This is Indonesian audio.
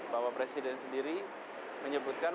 bahwa presiden sendiri menyebutkan